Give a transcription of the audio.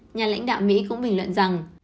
nhà lãnh đạo mỹ cũng bình luận rằng